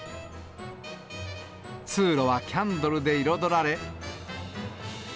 通路はキャンドルで彩られ。